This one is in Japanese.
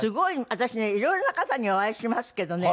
私ねいろいろな方にお会いしますけどね